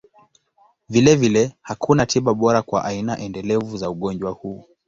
Vilevile, hakuna tiba bora kwa aina endelevu za ugonjwa huu.